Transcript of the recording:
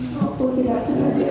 walaupun tidak saja